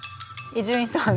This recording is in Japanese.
伊集院さん